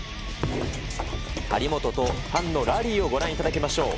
張本と樊のラリーをご覧いただきましょう。